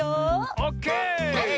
オッケー！